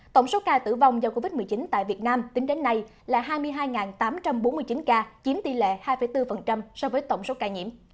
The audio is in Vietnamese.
tổng số ca tử vong do covid một mươi chín tại việt nam tính đến nay là hai mươi hai tám trăm bốn mươi chín ca chiếm tỷ lệ hai bốn so với tổng số ca nhiễm